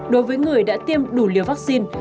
đối với người đã tiêm đủ liều vaccine